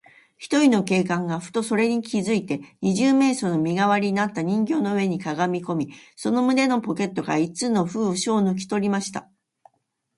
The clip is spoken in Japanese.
ひとりの警官が、ふとそれに気づいて、二十面相の身がわりになった人形の上にかがみこみ、その胸のポケットから一通の封書をぬきとりました。